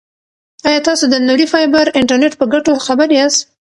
ایا تاسو د نوري فایبر انټرنیټ په ګټو خبر یاست؟